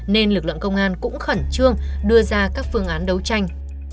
nên lực lượng công an cũng khẩn trương đưa ra các phương án đấu tranh